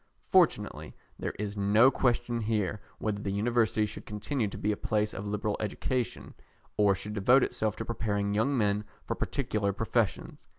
Fortunately, there is no question here whether the University should continue to be a place of liberal education, or should devote itself to preparing young men for particular professions.